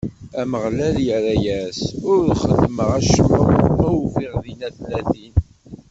Ameɣlal irra-as: Ur xeddmeɣ acemma ma ufiɣ dinna tlatin.